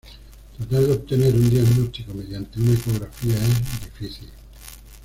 Tratar de obtener un diagnóstico mediante una ecografía es difícil.